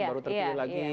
baru terpilih lagi